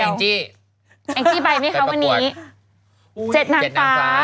ทานไหมแองกิบแองกิไปมั้ยคะวันนี้๔นางฟ้า๗นางฟ้า